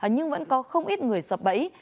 nhưng vẫn có không ít người sập bẫy